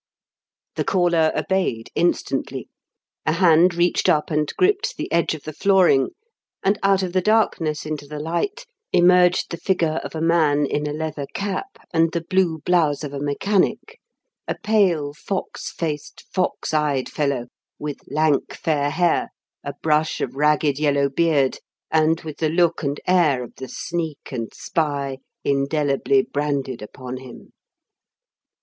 The caller obeyed instantly. A hand reached up and gripped the edge of the flooring, and out of the darkness into the light emerged the figure of a man in a leather cap and the blue blouse of a mechanic a pale, fox faced, fox eyed fellow, with lank, fair hair, a brush of ragged, yellow beard, and with the look and air of the sneak and spy indelibly branded upon him.